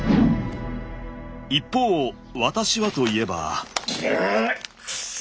一方私はといえば。